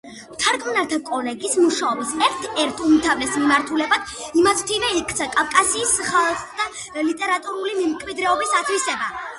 მთარგმნელთა კოლეგიის მუშაობის ერთ-ერთ უმთავრეს მიმართულებად იმთავითვე იქცა კავკასიის ხალხთა ლიტერატურული მემკვიდრეობის ათვისება.